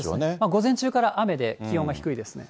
午前中から雨で気温が低いですね。